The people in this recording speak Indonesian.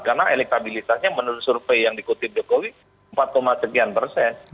karena elektabilitasnya menurut survei yang dikutip jokowi empat satu persen